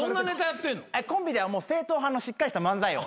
コンビでは正統派のしっかりした漫才を。